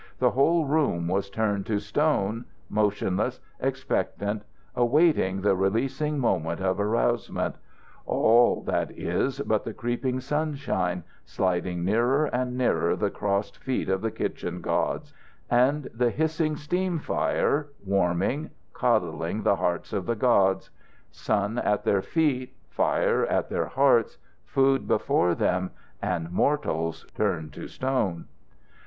The whole room was turned to stone, motionless, expectant, awaiting the releasing moment of arousement all, that is, but the creeping sunshine, sliding nearer and nearer the crossed feet of the kitchen gods; and the hissing steam fire, warming, coddling the hearts of the gods. Sun at their feet, fire at their hearts, food before them, and mortals turned to stone!